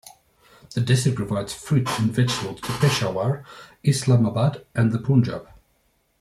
The district provides fruit and vegetables to Peshawar, Islamabad, and the Punjab.